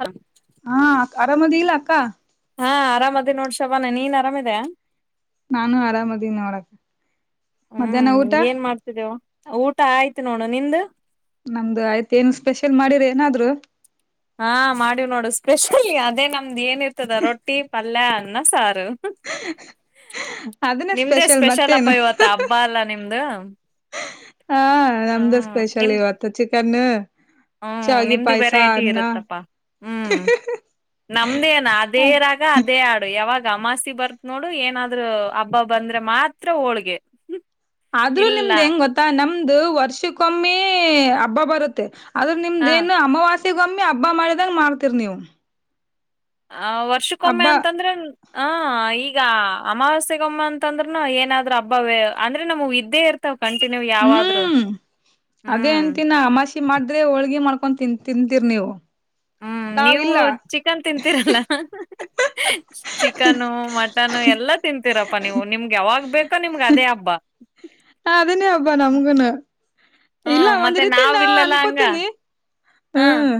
ಹಾ ಹಾ ಆರಾಮದಿ ಇಲ್ಲ ಅಕ್ಕ ಹಾ ಆರಾಮ್ದಿ ನೋಡ್ ಶಬಾನ ನೀನ್ ಆರಾಮಿದೆ ನಾನು ಆರಾಮದೀ ನೋಡಕ ಮಧ್ಯಾಹ್ನ ಹ್ಮ್ ಊಟ ಏನ್ ಮಾಡ್ತಿದ್ದೇವು ಊಟ ಆಯ್ತು ನೋಡು ನಿ್ದ ನಮ್ದು ಆಯ್ತ ಏನು ಸ್ಪೆಷಲ್ ಮಾಡಿರಿ ಏನಾದ್ರು ಹಾ ಮಾಡಿವ್ ನೋಡು ಸ್ಪೆಷಲಿ ಅದೇ ನಮ್ದ್ ಏನಿರ್ತದ ರೊಟ್ಟಿ ಪಲ್ಯನ್ನ ಸ ಅದನ್ನೇ ನಿಮ್ದೇ ಸ್ಪೆಷಲ್ ಅಪ್ಪ ಮತ್ತೇನು ಇವತ್ತ ಹಬ್ಬ ಅಲ್ಲಾ ನಿಮ್ದು ಹಾ ನಮ್ದು ಹ್ಮ್ ಸ್ಪೆಷಲ್ ನಿಮ್ ಇವತ್ತು ಚಿಕನ್ ಹ್ಮ್ ಶಾವಿಗೆ ನಿಮ್ದು ಪಾಯಸ ವೆರೈಟಿ ಅನ್ನ ಇರುತ್ತಪ್ಪಾ ಹ್ಮ್ ನಮ್ದೇನ ಅದೇ ರಾಗ ಅದೇ ಆಡು ಯಾವಾಗ ಅಮಾಸೆ ಬರ್ತ್ ನೋಡು ಏನಾದ್ೂ ಹಬ್ಬ ಬಂದ್ರೆ ಮಾತ್ರ ಹೋಳ್ಗೆ ಆದ್ರೂ ಇಲ್ಲ ನಿಮ್ದ್ ಹೆಂಗ್ ಗೊತ್ತಾ ನಮ್ದು ವರ್ಷಕ್ಕೊಮ್ಮಿ ಹಬ್ಬ ಬರುತ್ತೆ ಆದದ್ರ ಹ ನಿಮ್ದೇಏನ್ ಅಮವಾಸಿಗ ಒಮ್ಮಿ ಹಬ್ಬಾ ಮಾಡಿದಂಗ ಮಾಡ್ತಿರ್ ನೀವು ಆ ವರ್ಷಕ್ಕೊಮ್ಮೆ ಹಬ್ಬ ಅಂತಂದ್ರೆ ಹ ಈಗ ಅಮಾವಾಸ್ಯಗಮ್ಮ ಅಂತಂದ್ೂನು ಏನಾದ್ರು ಹಬ್ಬವೇ ಅಂದ್ರೆ ನಮ ಇದ್ದೇ ಇರ್ತಾವ ಕಂಟಿನ್ಯೂ ಯಾವಾದ್ರು ಹ್ಮ್ ಅದೇ ಹ್ಮ್ ಅಂತಿನ ಅಮಾಷಿ ಮಾಡ್ರೆ ಹೋಳ್ಗಿ ಮಾಡ್ಕೊ ಹಕೊಂಡನ್ ತಿಂತೀರಿ ನೀವು ಹ್ಮ್ ನೀವು ನಾವಿಲ್ಲ ಚಿಕನ್ ತಿಂತೀರಲ್ಲ ಚಿಕನು ಮಟನ್ ಎಲ್ಲ ತಿಂತೀರಪ್ಪ ಪ್ಪ ನೀವು ನಿಮ್ಗೆ ಅವಾವಾಗ್ ಬೇಕೋ ನಿಮ್ಗೆ ಅದೇ ಹಬ್ಬ ಹ ಅದನ್ನೇ ಅಬಾ ನಮಗೆನ್ನು ಇಲ್ಲ ಹ್ಮ್ ಒಂದ್ ಮತ್ತೆ ರೀತಿ ನಾವ್ ನಾ ಇಲ್ಲಲ್ಲ ಹಂಗ ಅನ್ಕೋತೀನಿ ಹ ಹ್ಮ್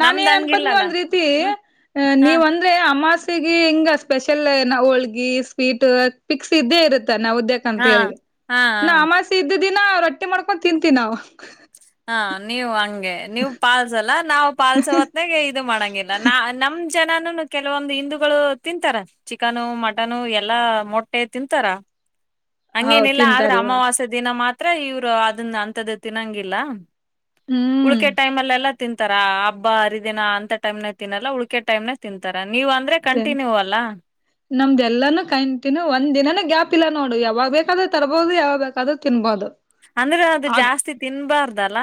ನಾ ನಮ್ದ್ ಏನ್ ಅನ್ಕೋತನಿ ಹಂಗಿಲ್ಲಲ್ಲ ಒಂದ್ ರೀತಿ ಹ್ಮ್ ಅ ಹ ನೀವ್ ಅಂದ್ರೆ ಅಮ್ಮಾಸ ಹಿಂಗ ಸ್ಪೆಷಲ್ ಹೋಳ್ಗಿ ಸ್ವೀಟ್ ಪಿಕ್ಸ್ ಇದ್ದೇ ಇರುತ್ತೆ ನಾವಿದೆಗೆ ಅಂತ ಹಾ ಹೇಳಿ ಹಾ ಹಾ. ನಾ ಅಮಾಸೆ ಇದ್ದಿದಿನಾ ರೊಟ್ಟಿ ಮಾಡ್ಕೊಂಡು ತಿಂತೀವಿ ನಾವು ಹಾ ನೀವು ಹಂಗೆ ನೀವು ಪಾಳಸಲ್ಲ ನಾವು ಪಾಸ ಹೊತ್ನಾಗ ಇದು ಮಾಡಂಗಿಲ್ಲ ನಾ ನಮ್ದ ಜನಾನು ಕೆಲವೊಂದು ಹಿಿಂದಗಳು ತಿಂತಾರ ಚಿಕನು ಮಟನು ಎಲ್ಲಾ ಮೊಟ್ಟೆ ತಿಂತಾರ ಹೌ ಹಂಗೇನಿಲ್ಲ ಆದ್ರೆ ತಿಂತಾರೆ ಇವಾಗ ಅಮಾವಾಸ್ಯ ದಿನ ಮಾತ್ರ ಇವರು ಅದನ್ನ ಅಂಂತದ್ದ ತಿನ್ನಂಗಿಲ್ಲ ಹ್ಮ್ ಉಳಕೆ ಟೈಮ್ ಅಲ್ಲ ಎಲ್ಲ ತಿಂತಾರಾ ಹಬ್ಬ ಹರಿದಿನ ಅಂತ ಟೈಮ್ ನ ತಿನ್ನಲ್ಲ ಉಳಕೆ ಟೈಮ್ನ ತಿಂತಾರ ನೀವ ಅಂದ್ರೆ ತಿಂತ ಕಂಟಿನ್ಯೂ ಅಲ್ಲ ನಮ್ದ ಎಲ್ಲಾನೂ ಕೈಂಟೀನ್ಯ ಒಂದ ದಿನಾನ ಗ್ಯಾಪ್ ಇಲ್ಲ ನೋಡು ಯಾವಾಗ ಬೇಕಾದ್ರೂ ತರಬಹದು ಯಾವಾಗ ಬೇಕಾದ್ರೂ ತಿನ್ಬಹದು ಅಂದ್ರೆ ಅದು ಜಾಸ್ತಿ ತಿನ್ಬಾರ್ದಲ್ಲ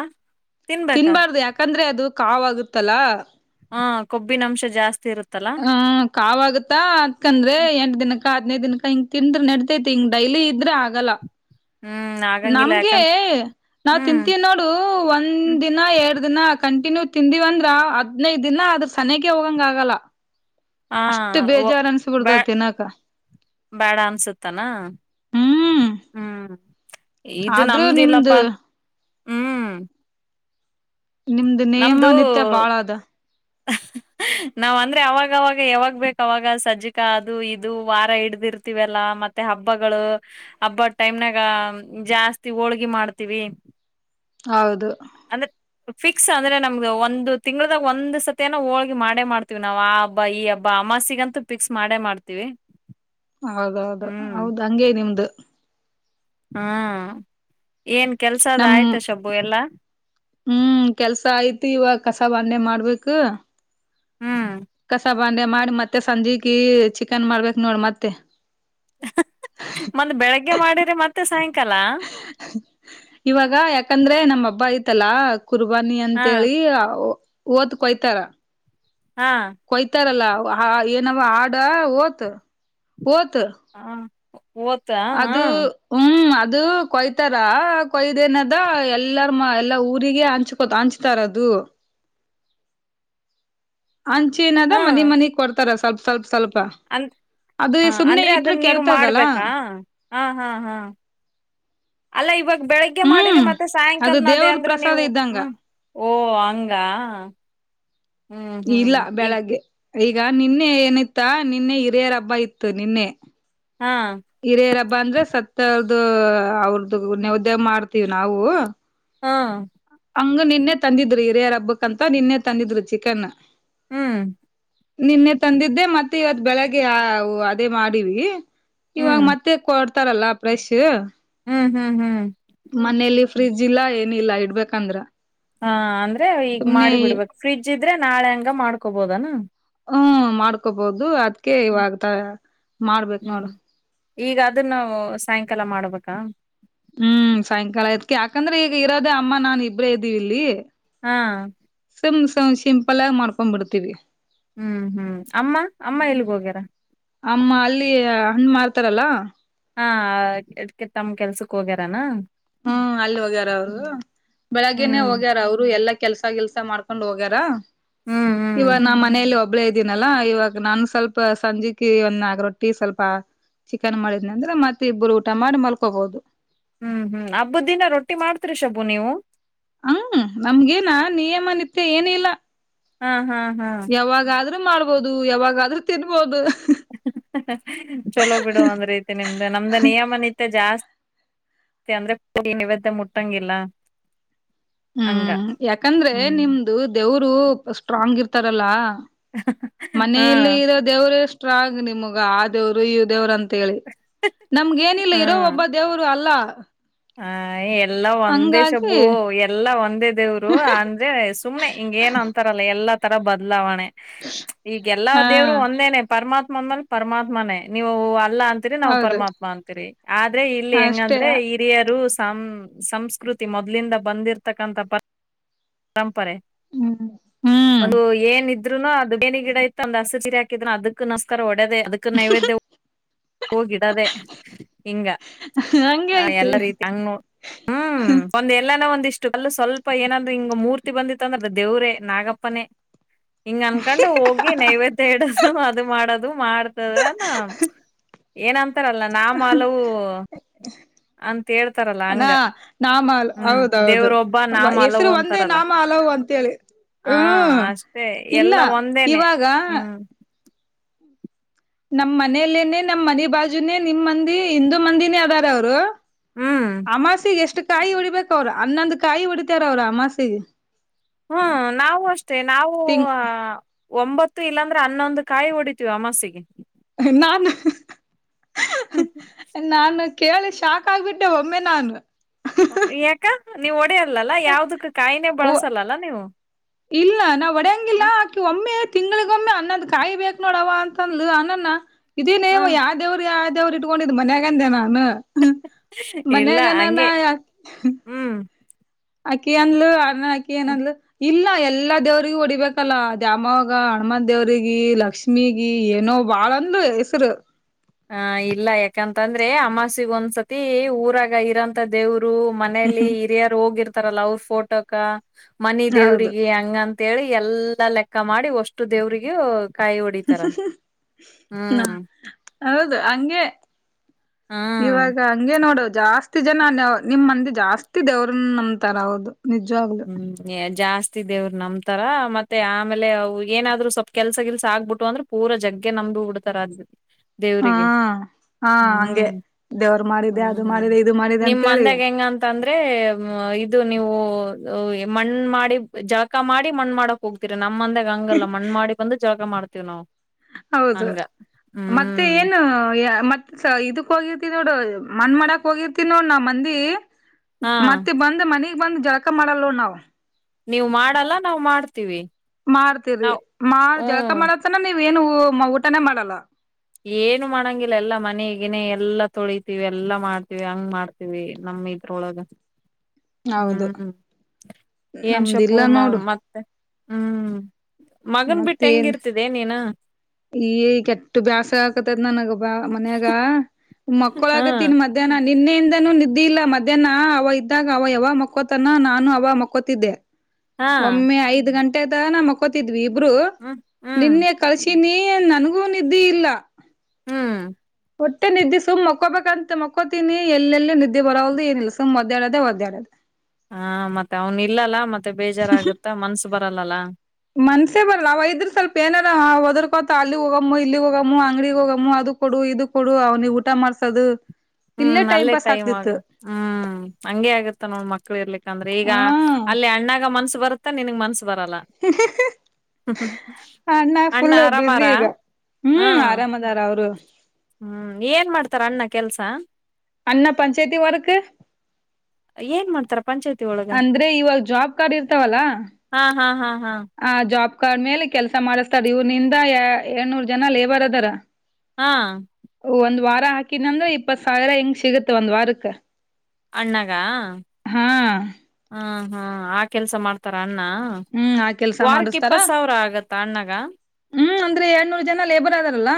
ತಿನ್ಬೇಕಾ ತಿನ್ಬಾರ್ದು ಯಾಕಂದ್ರೆ ಅದು ಕಾವಾಗುತ್ತಲ್ಲ ಹ ಕೊಬ್ಬಿನ ಅಂಶ ಜಾಸ್ತಿ ಇರುತ್ತೆ ಹ್ಮ ಕಾವಾಗುತ್ತಾ ಅದಕಂದ್ರೆ ಎಂಟ ದಿನ ಹದನೈ ದಿನನ್ಕ ಹಿಂಗ ತಿಂದ್ರೆ ನಡಿತೈತಿ ಹಿಂಗ ಡೈಲಿ ಇದ್ರ ಆಗಲ್ಲ ಹ್ಮ್ ಆಗಂಗಿಲ್ಲ ನಮ್ಗೆ ಯಾಕಂದ ನಾವ್ ಹ್ಮ್ ತಿಂತೀವಿ ನೋಡು ಒಂದ್ ಹ್ಮ್ ದಿನ ಎರಡ್ ದಿನ ಆ ಕಂಟಿನ್ಯೂ ತಿಂದಿವವಂದ್ರ ಹದ್ನೈದ ದಿನ ಆದದ್ರ ಸನಗೆ ಹೋಗಂಗ ಆಗಲ್ಲ ಹಾ ಅಷ್ಟು ಬೇಜಾರು ಅನ್ಸಬಿಡ್ದ ತಿನಾಕ ಬೇಡ ಅನ್ಸತ್ತನಾ ಹ್ಮ್ ಹ್ಮ್ ಇದು ಆದ್ರೂ ನಮ್ದಿಲ್ಲಪ್ಪ ನಿಮ್ದು ನಿಮ್ದ ನಿಯಮ ನಮ್ದು ನೀತ್ಯ ಬಾಳ ಅದ ನಾವ್ ಅಂದ್ರೆ ಅವಾಗವಾಗ ಯಾವಾಗ್ ಬೇಕ ಅವವಾಗ ಸಜ್ಜಿಕಾ ಅದು ಇದು ವಾರ ಹಿಡ್ದಿರ್ತಿವಲ್ಲಾ ಮತ್ತ ಮತ್ತೆ ಹಬ್ಬಗಳು ಹಬ್ಬದ ಟೈಮ್ನಾಗ ಜಾಸ್ತಿ ಹೋಳ್ಗಿ ಮಾಡ್ತೀವಿ ಹೌದು ಅಂದ್ರೆ ಫಿಕ್ಸ್ ಅಂದ್ರೆ ನಮ್ದು ಒಂದು ತಿಂಗಳಾಗ ಒಂದ್ ಸತ್ತೆ ನ ಹೋಳಿಗಿ ಮಾಡೇ ಮಾಡ್ತೀವಿ ನಾವು ಆ ಹಬ್ಬ ಈ ಹಬ್ಬ ಆಮಸಿ ಈಗಂತೂ ಫಿಕ್ಸ್ ಮಾಡೇ ಮಾಡ್ತೀವಿ ಹೌದೌದು ಹ್ಮ್ ಹೌದು ಹಂಗೆ ನಿಮ್ದು ಹಾ ಏನ್ ಕೆಲ್ಸದ ನಮ್ ಆಯ್ತಾ ಸಬ್ಬು ಎಲ್ಲಾ ಹ್ಮ್ ಕೆಲ್ಸ ಆಯ್ತು ಇವಾಗ ಕಸ ಬಂಡೆ ಮಾಡ್ಬೇಕು ಹ್ಮ್ ಬಂಡೆ ಮಾಡಿ ಮತ್ತೆ ಸಂಜಕ ಚಿಕನ್ ಮಾಡ್ಬೇಕ ನೋಡ್ ಮತ್ತೆ ಮತ್ತ ಬೆಳಗ್ಗೆ ಮಾಡಿರಿ ಮತ್ತೆ ಸಾಯಂಕಾಲ ಇವಾಗ ಯಾಕಂದ್ರೆ ನಮ ಹಬ್ಬ ಐತಲಾ ಕುರ್ಬಾನಿ ಹಾ ಅಂತೇಳಿ ಓತ ಕೊಯ್ತಾರ ಹಾ ಕೊಯ್ತಾರಲ್ಲ ಏನವ ಆಡ ಓತ್ ಓತ್ ಓದ್ತಾ ಹ ಅದು ಹ್ಮ್ ಅ ಅದು ಕೊಯ್ತಾರ ಕೊಯ್ದೇನದ ಎಲ್ಲಾರ ಮ ಎಲ್ಲಾ ಊರಿಗೆ ಹಂಚ್ಕೊ ಹಂಚ್ತಾರ ಅದು ಹ ಹಂಚಿ ಹ ಏನದ ಮನೆ ಮನೆಗ್ ಕೊಡ್ತಾರ ಸ್ವಲ್ಪ ಸ್ವಲ್ಪ ಸ್ವಲ್ಪ ಅಂದ ಅದು ಸುಮ್ನೆ ಅಂದ್ರೆ ಇಟ್ರ ಅದನ್ನ ನೀವ್ ಕೆಡ್ತದಅಲ್ಲ ಮಾಡ್ಬೇಕಾ ಹಾ ಹಾ ಹಾ ಅಲ್ಲ ಇವಾಗ ಬೆಳಿಗ್ಗೆ ಮಾಡಿರಿ ಹ್ಮ್ ಮತ್ತೆ ಅದು ಸಾಯಂಕಾಲ ಅದೇ ದೇವ್ರ ಅಂದ್ರೆ ಪ್ರಸಾದ ನೀವು ಇದ್ದಂಗ ಹ್ಮ್ ಓ ಹಂಗ ಹ್ಮ್ ಹ್ಮ್ ಇಲ್ಲ ಈಗ ಬೆಳಗ್ಗೆ ಈಗ ನಿನ್ನೆ ಏನಿತ್ತಾ ನಿನ್ನೆ ಹಿರಿಯರ ಹಬ್ಬ ಇತ್ತು ನಿನ್ನೆ ಹಾ ಹಿರೇರಬ್ಬಾ ಅಂದ್ರೆ ಸತ್ ಸತವರದು ಅವ್ರ್ದು ನೈವಿದ್ಯ ಮಾಡ್ತೀವಿ ನಾವು ಹಾ ಹಂಗ ನಿನ್ನೆ ತಂದಿದ್ರು ಹಿರಿಯರ ಹಬ್ಬಕ್ಂತ ನಿನ್ನೆ ತಂದಿದ್ರು ಚಿಕನ್ ಹ್ಮ್ ನಿನ್ನೆ ತಂದಿದ್ದೆ ಮತ್ತೆ ಇವತ್ ಬೆಳಗ್ಗೆ ಅದೇ ಮಾಡೀಿ ಇವಾಗ ಹ್ಮ್ ಮತ್ತೆ ಕೊಡ್ತಾರಲ್ಲ ಫ್ರೆಶ್ ಹ್ಮ್ ಹ್ಮ್ ಹ್ಮ್ ಮನೇಲಿ ಫ್ರಿಜ್ ಇಲ್ಲಾ ಏನಿಲ್ಲಾ ಇಡ್ಬೇಕಂದ್ರ ಹಾ ಅಂದ್ರೆ ಈಗ ಸುಮ್ನೆ ಮಾಡಿ ಬಿಡ್ಬೇಕು ಫ್ರಿಜ್ ಇದ್ರೆ ನಾಳೆ ಹಂಗ ಮಾಡ್ಕೊಬೋದನಾ ಹ್ಮ ಮಾಡ್ಕೊಬಹದು ಅದ್ಕ ಇವಾಗ ಮಾಡ್ಬೇಕ ನೋಡ ಹ್ಮ್ ಈಗ ಅದನ್ನು ಸಾಯಂಕಾಲ ಮಾಡ್ಬೇಕಾ ಹ್ಮ್ ಸಾಯಂಕಾಲ ಎಡಕೆ ಯಾಕಂದ್ರೆ ಈಗ ಇರೋದೇ ಅಮ್ಮ ನಾನ್ ಇಬ್ರೇ ಇದ್ದೀವಿ ಇಲ್ಲಿ ಹಾ ಸುಮ್ಮ ಸಿಂಪಲ್ ಆಗಿ ಮಾಡ್ಕೊಂಡ್ಬ ಬಿಡ್ತೀವಿ ಹ್ಮ್ ಹ್ಮ್ ಅಮ್ಮ ಅಮ್ಮ ಎಲ್ಗ್ ಹೋಗ್ಯಾರ ಅಮ್ಮ ಅಲ್ಲಿ ಹಣ್ಣ ಮಾರ್ತಾರಲ್ಲ ಹಾ ಇದಕ್ಕೆ ತಮ್ಮ ಕೆಲ್ಸಕ್ ಹೋಗ್ಯಾರನಾ ಹ್ಮ್ ಅಲ್ಲಿ ಹೋಗ್ಯಾರ ಅವರು ಬೆಳಗ್ಗೆನೆೇ ಹ್ಮ್ ಹೋಗ್ಯಾರ ಅವ್ರು ಎಲ್ಲಾ ಕೆಲ್ಸ ಕೆಲ್ಸ ಮಾಡ್ಕೊಂಡ್ ಹೋಗ್ಯಾರ ಹ್ಮ್ ಇವ ಹ್ಮ್ ನಾ ಮನೇೆಯಲ್ಲಿ ಒಬ್ಬ ಹಬ್ಳ ಇದ್ದೀನಲ್ಲಾ ಇವಾಗ ನಾನನ್ ಸ್ವಲ್ಪ ಸಂಜೆಕ್ ಒಂದ ಆಗ ರೊಟ್ಟಿ ಸ್ವಲ್ಪ ಚಿಕನ್ ಮಾಡಿದ್ನ ಅಂದ್ರೆ ಮತ್ತೆ ಇಬ್ಬರು ಊಟ ಮಾಡಿ ಮಲ್ಕೋಬಹುದು ಹ್ಮ್ ಹ್ಮ್ ಹಬ್ಬ ದಿನ ರೊಟ್ಟಿ ಮಾಡ್ತ್ರಿ ಶಬು ನೀವು ಹ್ಮ ನಮ್ಗೇನ ನಿಯಮನತ್ಯ ಏನೀಲ್ಲ ಹಾ ಹಾ ಹಾ ಯಾವಾಗಾದ್ರೂ ಮಾಡ್ಬೋದು ಯಾವಾಗಾದ್ರೂ ತಿನ್ಬೋದು ಚಲೋ ಬಿಡು ಒಂದ್ ರೀತಿ ನಿಮ್ದು ನಮ್ದ ನಿಯಮನತ್ಯ ಜಾಸ್ತಿ ಮ ಅಂದ್ರೆ ಪ ನೈವೇದ್ಯ ಮುಟ್ಟಂಗಿಲ್ಲ ಹಂಗ ಹ್ಮ್ ಯಾಕಂದ್ರೆ ನಿಮ್ದು ದೇವರು ಸ್ಟ್ರಾಂಗ್ ಇರ್ತಾರಲ್ಲ ಹಾ ಮನಲಿ ಇರೋ ದೇವ್ರೇ ಸ್ಟ್ರಾಂಗ್ ನಿಮಗ ಆ ದೇವ್ರು ಈ ದೇವ್ರ ಅಂತ ಅಂತ ಹೇಳಿ ನಮಗ ಏನಿಲ್ಲ ಹಾ ಇರೋ ಒಬ್ಬ ದೇವರು ಅಲ್ಲ ಹ ಎಲ್ಲ ಒಂದೇ ಶಬು ಹಂಗಾಗಿ ಎಲ್ಲಾ ಒಂದೇ ದೇವ್ರು ಅಂದ್ರೆ ಸುಮ್ನೆ ಹಿಂಗ ಏನ್ ಅಂತಾರಲ್ಲ ಎಲ್ಲಾ ತರ ಬದಲಾವಣೆ ಈಗೆ ಎಲ್ಲಾ ಹಾ ದೇವ್ರು ಒಂದೇನೆ ಪರಮಾತ್ಮ ಅಂದ್ಮೇಾಲ ಪರಮಾತ್ಮನೇ ನೀವು ಅಲ್ಲ ಅಂತೀರಿ ನಾವ್ ಹೌದು ಪರಮಾತ್ಮ ಅಂತೀರಿ ಆದ್ರೆ ಇಲ್ಲಿ ಅಷ್ಟೇ ಹೆಂಗಂದ್ರೆ ಹಿರಿಯರು ಸಂ ಸಂಸ್ಕೃತಿ ಮೊದ್ಲಿಂದ ಬಂದಿರ್ತಕ್ಕಂಥ ಪರಂಪರೆ ಹ್ಮ್ ಹ್ಮ್ ಒಂದು ಏನ ಇದ್ನು ಅದು ನೇನಿ ಗಿಡ ಇತ್ತು ಅಂದ ಹಸಿೀರಿ ಹಾಕಿದ್ರು ಅದಕ್ಕ ನಮಸ್ಕಾರ ಒಡೇದ ಅದಕ್ಕಕ್ಕೆ ನೈವೇದ್ಯ ಹೋಗಿಡದೇ ಹಿಂಗ ಹಂಗೆ ಹ ಐತಿ ಎಲ್ಲ ರೀತಿ ಹಂಗ ಹ್ಮ್ ಒಂದು ಎಲ್ಲ ಒಂದಿಷ್ಟು ಅಲ್ಲ ಸ್ವಲ್ಪ ಏನಂದ್ರೆ ಹಿಂಗ ಮೂರ್ತಿ ಬಂದಿತ್ತ ಅಂದ್ರ ದೇವ್ರೇ ನಾಗಪ್ಪನ ಹಿಂಗ್ ಅನ್ಕೊಂಡು ಹೋಗಿ ನೈವೇದ ಇಡೋದು ಅದು ಮಾಡೋದು ಮಾಡ್ತದ ಅಂದ ಏನಂತಾರಲ್ಲ ನ ಮಾಲವುೂ ಅಂತ ಹೇಳ್ತಾರಲ್ಲ ಹಂಗ ನಾ ನಾಮ ಅಲ್ ಹ್ಮ್ ಹೌದೌದು ದೇವ್ರೊಬ್ಬ ನಾಮ ಅಲವು ಹೆಸರು ಒಂದೇ ಅಂತಾರಲ್ಲ ನಾಮ ಹಲವು ಅಂತೇಳಿ ಹಾ ಹ್ಮ್ ಅಷ್ಟೇ ಇಲ್ಲ ಎಲ್ಲ ಒಂದೇನೆ ಇವಾಗ ಹ್ಮ್ ನಮ್ ಮನೇಲ್ಲೇನೆ ನಮ್ ಮನೆ ಬಾಜುನೆೇ ನಿಮ್ ಮಂದಿ ಹಂದು ಮಂದಿನೇ ಅದಾರ ಅವರು ಹ್ಮ್ ಅಮಾಸಿಗೆ ಎಷ್ಟ್ ಕಾಯಿ ಹೊಡಿಬೇಕ ಅವ್ರ ಅನ್ನೊಂದು್ ಕಾಯಿ ಹೊಡಿತಾರ ಅವ್ರ ಅಮಾಸಿಗೆ ಹ್ಮ್ ನಾವು ಅಷ್ಟೇ ನಾವು ತಿಂಗ್ ಒಂಬತ್ತು ಇಲ್ಲಾಂದ್ರೆ ಹನ್ನೊಂದು ಕಾಯಿ ಹೊಡಿತೀವಿ ಅಮಾಸೆಗೆ ನಾನು ನಾನು ಕೇಳಿ ಶಾಕ್ ಆಗ್ಬಿಟ್ಟೆ ಒಮ್ಮೆ ನಾನು ಯಾಕ ನೀವ್ ಓಡ ಯಾವ ಕಾಯಿನ ಬಳಸಲ್ಲ ನೀವು ತಿಂಗಗಳಿಗೊಮ್ಮೆ ಅನ್ನದ್ ಕಾಯಿ ಬೇಕಕ್ ನೋಡವ ಅಂತಂದ ಅನ್ನನ್ನ ಹಾ ಇದೇನೇವ ಯಾವ ದೇವರು ಯ ೇವ್ರು ಇಟ್ಕೊಂಡಿದ್ ಮನ್ಯಾಗಂದೆ ನಾನು ಇಲ್ಲ ಮನ್ಯಾಗನಾನ ಹಂಗೆ ಯಾಕ ಹ್ಮ್ ಅಕ್ಕಿ ಅಂದಲಲು ಅನ ಅಕ್ಕಿ ಏನಂದ್ಲು ಇಲ್ಲ ಎಲ್ಲಾ ದೇವ್ರಗ ಹೊಡಿಬೇಕಲ್ಲ ದ್ಯಾಮವಾಗ ಹಣಮಾ ದೇವ್ರಿಗೆ ಲಕ್ಷ್ಮೀಗ ಏನೋ ವಾಳಂದು ಹೆಸರು ಹ ಇಲ್ಲ ಯಾಕಂತಂದ್ರೆ ಅಮಾಸಗ ಒಂದ್ಸತಿ ಊರಾಗ ಇರಂತ ದೇವರು ಅವರು ಮನೇೆಯಲ್ಲಿ ಹಿರಿಯರು ಹೋಗಿರ್ತಾರಲ್ಲ ಅವ್ರ ಫೋಟೋಕ ಮನಿ ಹೌದು ದೇವ್ರಿಗೆ ಹಂಗ ಅಂತೇಳಿ ಎಲ್ಲಾ ಲೆಕ್ಕ ಮಾಡಿ ಒಷ್ಟು ದೇವ್ರಿಗೂ ಕಾಯ ಉಡಿತರ ನಾ ಹ್ಮ್ ಹೌದು ಹಂಗೆ ಹ್ಮ್ ಇವಾಗ ಹಂಗೆ ನೋಡೋದು ಜಾಸ್ತಿ ಜನ ನಿಮ್ಮ ಮಂದಿ ಜಾಸ್ತಿ ದೇವ್ರನ್ನ ನಂತಾರ ಹೌದು ನಿಜವಾಗ್ಲು ಹ್ಮ್ ಜಾಸ್ತಿ ದೇವ್ರ ನ್ ತರಾ ಮತ್ತೆ ಆಮೇಲೆ ಏನಾದ್ರು ಸ್ವಲ್ಪ ಕೆಲಸ ಕೆಲ್ಸ ಆಗ್ಬಿಟ್ಟು ಅಂದ್ರೆ ಪೂರ ಜಗ್ಗೆ ನಮ್ದ ಬಿಡ್ತಾರ ಅ ಹಾ ದೇವ್ರರಿಗೆ ಹಾ ಹಂಗೆ ಹ್ಮ್ ದೇವ್ರ ಮಾಡಿದೆ ಅದು ಹ್ಮ ಮಾಡಿದೆ ಇದು ಮಾಡಿದೆ ನಿಮ್ಮ್ ಅಂತೇಳಿ ಮಂದಾಗ ಹೆಂಗಂತ ಅಂದ್ರೆ ಇದು ನೀವು ಮಣ್ ಮಾಡಿ ಜಳಕ ಮಾಡಿ ಮಣ್ ಮಾಡಕ್ ಹೋಗ್ತಿರ ನಮ್ಮಂದಾಗ ಹಂಗಲ್ಲ ಮಣ್ ಮಾಡಿ ಬಂದು ಜಾಗ ಮಾಡ್ತೀವ್ ನಾವು ಹೌದು ಹಂಗ ಮತ್ತೆ ಹ್ಮ್ ಏನು ಮತ್ತೆ ಇದಕ್ಕ ಹೋಗಿ ನೋಡು ಮನ್ ಮಾಡಕ್ ಹೋಗಿರ್ತಿ ನೋಡ್ ನಾ ಮಂದಿ ಹಾ ಮತ್ತೆ ಬಂದ ಮನ ಬಂದ್ ಜಳಕ ಮಾಡಲ್ಲವ ನಾವು ನೀವು ಮಾಡಲ್ಲ ನಾವವು್ ಮಾಡ್ತೀವಿ ಮಾಡ್ತೀರಿ ನಾವ್ ಮಾಡ ಜಳಕ ಹ್ಮ್ ಮಾಡತ್ತನ ನೀವ್ ಏನು ಊಟಾನೇ ಮಾಡಲ್ಲ ಏನು ಮಾಡಂಗಿಲ್ಲ ಎಲ್ಲಾ ಮನೆಗನೆೇ ಎಲ್ಲಾ ತೊಳತಿೀವಿ ಎಲ್ಲಾ ಮಾಡ್ತೀವಿ ಹಂಗ್ ಮಾಡ್ತೀವಿ ನಮ ನಮ್ಮಿ ಇದಟ್ರೊಳಗೆ ಹೌದು ಹ್ಮ್ ಏನ್ ಶುಭು ನಮ್ದಿಲ್ಲ ಮ ನೋಡು ಮತ್ತೆ ಹ್ಮ್ ಮಗನ್ ಬಿಟ್ಟು ಹೆಂಗ ಮತ್ತೇನ್ ಇರ್ತಿದೆ ನೀನ ಈ ಕೆಟ್ಟು ಬ್ಯಾಸ ಹಾಕತದ ನನಗ ಬಾ ಮನ್ಯಾಗ ಮಕ್ಕಳ ಹ್ಮ್ ಆಗತ್ತನ್ ಮಧ್ಯಾಹ್ನ ನಿನ್ನೆಯಿಂದನೂ ನಿದ್ದೆ ಇಲ್ಲ ಮಧ್ಯಾಹ್ನ ಅವ ಇದ್ದಾಗ ಅವ ಯಾವ ಮಕ್ಕೊತನ ನಾನು ಅವ ಮಕ್ಕೊತಿದ್ದೆ ಹಾ ಒಮ್ಮೆ ಐದ್ ಗಂಟೆದ ನ ಮಕೋತಿದ್ವಿ ಇಬ್ರು ಹ್ಮ್ ಹ್ಮ್ ನಿನ್ನೆ ಕಳಸ ನೀ ನನಗೂ ನಿದ್ದೆ ಇಲ್ಲ ಹ್ಮ್ ಹೊಟ್ಟೆ ನಿದ್ದೆ ಸುಮ್ ಮಕೋಬೇಕಂತ ಮಕ್ಕಕೋತೀನಿ ಎಲ್ಲೆಲ್ಲ ನಿದ್ದೆ ಬರೋಲ್ಲದು ಏನಿಲ್ಲ ಸು್ದ್ದೆ ಅಡೋದೆ ಒದ್ದ್ಯಾಾಡದೆ ಹಾ ಮತ್ತೆ ಅವನ್ ಇಲ್ಲಲ್ಲ ಮತ್ತೆ ಬೇಜಾರಾಗುತ್ತ ಮನ್ಸ ಬರಲ್ಲಲ್ಲ ಮನ್ಸ ಬರ್ರ ಅವ್ ಇದ್ರರು ಸ್ವಲ್ಪ ಏನಾರ ಹೊದರ್ಕೋತ ಅಲ್ಲಿ ಹೋಗಮ್ಮ ಇಲ್ಲಿಗ್ ಹೋಗಮ್ಮ ಅಂಗಡಗ್ ಹೋಗಮ್ಮ ಅ ಕೊಡು ಇದು ಕೊಡು ಅವ್ನಿಗೆ ಊಟ ಮಾಡ್ಸೋದು ಇಲ್ಲ ಹ್ಮ್ ಅಲ್ಲೇ ಟೈಮ್ ಆಗ ಹ್ಮ್ ಹಂಗಗೆ ಆಗತ್ತ ನೋ ಮಕ್ಕಳ ಇರ್ಲಿಕ್ಕ ಅಂದ್ರೆ ಈಗ ಹ ಅಲ್ಲಿ ಅಣ್ಣ ಮನಸ್ಸು ಬರುತ್ತೆ ನಿನ್ಗೆ ಮನಸು ಬರಲ್ಲ ಅಣ್ಣ ಫುಲ್ ಬ್ಯುಸಿ ಆರಾಮಾರಾ ಈಗ ಹ್ಮ ಹ್ಮ್ ಆರಾಮದಾರ ಅವರು ಹ್ಮ್ ಏನ್ ಮಾಡ್ತಾರ ಅಣ್ಣ ಕೆಲ್ಸ ಅ್ಣ ಪಂಚಾಯತಿ ವರ್ಕ್ ಏನ್ ಮಾಡ್ತಾರಪ್ಪ ಅಂದ್ರೆ ಇವಾಗ ಜಾಬ್ ಕಾರ್ಡ್ ಇರ್ತಾವಲ್ಲ ಹಾ ಹಾ ಹಾ ಹಾ ಆ ಜಾಬ್ ಕಾರ್ಡ್ ಮೇಲೆ ಕೆಲ್ಸ ಮಾಡಿಸ್ತಾರ ಇವ್ರನಿಂದ ಏಳ್ನೂರ್ ಜನ ಲೇಬರ್ ಅದಾರ ಹಾ ಒಂದ್ ವಾರ ಹಾಕಿದ್ ಅಂದ್ರ ಇಪ್ಪತ್ ಸಾವಿರ ಹೆಂಗ ಸಿಗುತ್ತೆ ಒಂದ್ ವಾರಕ್ಕೆ ಅಣ್ಣಗ ಹಾ ಹಾ ಆ ಕೆಲ್ಸ ಮಾಡ್ತಾರ ಅಣ್ಣ ಹ್ಮ್ ಆ ಕೆಲ್ಸ ವಾರಕ್ ಇಪ್ಪತ್ ಮಾಡಿಸ್ತಾರ ಸಾವಿರ ಆಗತ್ತಾ ಅಣ್ಣಗ ಹ್ಮ್ ಎರಡ್ನೂರ್ ಜನ ಲೇಬರ್ ಅದಾರಲ್ಲ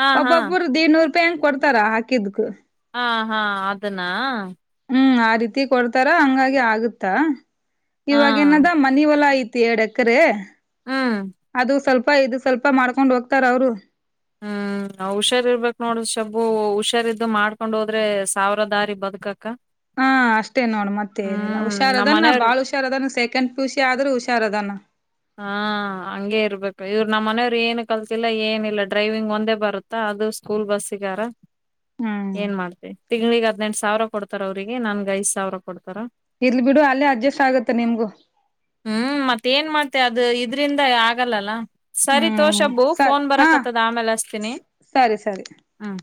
ಹಾ ಹಾ ಒಬ್ಬೊಬ್ಬರು ದಡ್ನೂರ್ ರೂಪಾಯಿ ಹಂಗ್ ಕೊಡ್ತಾರ ಹಾಕಿದಕ್ ಹಾ ಹಾ ಅದನ್ನ ಹ್ಮ್ ಆ ರೀತಿ ಕೊಡ್ತಾರ ಹಂಗಾಗಿ ಆಗುತ್ತ ಹಾ ಇವಾಗ ಏನದ ಮನ ಹೊಲ ಐತ್ ಇ ಏಡ್ ಎಕರೆ ಹ್ಮ್ ಅದು ಸ್ವಲ್ಪ ಇದು ಸ್ವಲ್ಪ ಮಾಡ್ಕೊಂಡ್ ಹೋಗ್ತಾರ ಅವರು ಹ್ಮ್ ಹುಷಾರ್ ಇರ್ಬೇಕೇಕ್ ನೋಡ್ರ ಶಬು ಹುಷಾರಿದ್ದು ಮಾಡ್ಕೊಂಡ್ ಹೋದ್ರೆ ಸಾವಿರದಾರಿ ಬದಕಕ ಹಾ ಅಷ್ಟೇ ನೋಡ್ ಮತ್ತೆ ಏನಿಲ್ಲ ಹುಷಾರ ನಮ್ ಅದಾನ ಮನೆಯವ್ರ ಬಾಳ್ ಹುಷಾರ ಅದಾನ ಸೆಕೆಂಡ್ ಪುಷಿ ಆದ್ರೂ ಹುಷಾರ ಅದಾನ ಇವರು ನಮ್ಮ್ ಮನವ್ರು ಏನು ಕಲ್ತಿಲ್ಲ ಏನಿಲ್ಲ ಡ್ರೈವಿಂಗ್ ಒಂದೇ ಬರುತ್ತಾ ಅದು ಸ್ಕೂಲ್ ಬಸ್ಸಗಾರ ಹ್ಮ್ ಏನ್ ಮಾಡ್ತ ತಿಂಗಳಿಗೆ ಹದ್ನೆಂಟಟ್ ಸಾವಿರ ಕೊಡ್ತಾರ ಅವ್ರಿಗೆ ನನ್ಗೆ ಐದ್ ಸಾವಿರ ಕೊಡ್ತ ಇರ್ಲ್ ಬಿಡು ಅಲ್ಲೇ ಅಡ್ಜಸ್ಟ್ ಆಗತ್ತೆ ನಿಮ್ಗು ಮತ್ತೆ ಅದು ಇದ್ರಿಂದ ಆಗಲ್ಲಲ್ಲ ಸರಿ ಹ್ಮ್ ತೋಶಬು ಸರಿ ಫೋನ್ ಹಾ ಬರಕತ್ತದ ಆಮೇಲೆ ಹಸ್ತೀನಿ ಸರಿ ಸರಿ ಹ್ಮ್